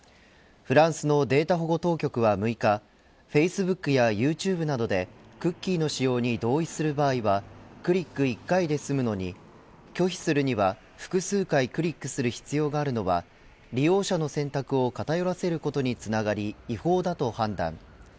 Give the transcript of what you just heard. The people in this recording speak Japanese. フランスのデータ保護当局は６日フェイスブックやユーチューブなどでクッキーの仕様に同意する場合はクリック１回で済むのに拒否するには、複数回クリックする必要があるのは利用者の選択を偏らせることにつながり違法だと判断。